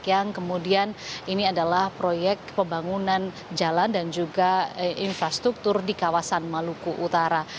yang kemudian ini adalah proyek pembangunan jalan dan juga infrastruktur di kawasan maluku utara